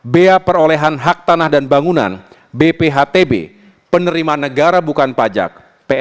bea perolehan hak tanah dan bangunan bphtb penerimaan negara bukan pajak